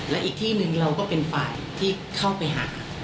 และอีกที่หนึ่งเราก็เป็นฝ่ายที่เข้าไปหา